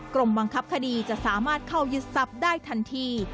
กรมบังคับคดีจะสามารถเข้ายึดทรัพย์ได้ทันที